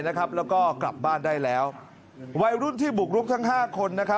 แล้วก็กลับบ้านได้แล้ววัยรุ่นที่บุกรุกทั้ง๕คน